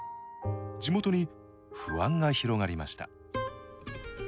地元に不安が広がりました。